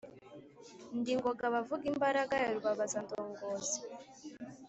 Ndi Ngoga bavuga imbaraga ya Rubabazandongozi.